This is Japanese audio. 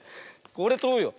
これとぶよ。